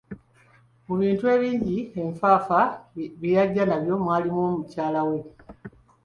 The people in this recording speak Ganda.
Mu bintu ebingi, enfaafa bye yajja nabyo, mwalimu mukyala we.